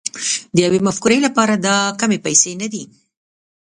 د يوې مفکورې لپاره دا کمې پيسې نه دي